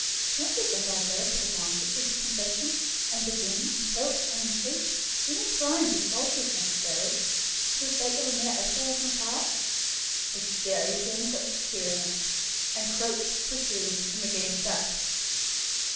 Don't you think I had better take advantage of the confession, and begin and coax and entreat—even cry and be sulky if necessary—for the sake of a mere essay of my power?" "I dare you to any such experiment. Encroach, presume, and the game is up."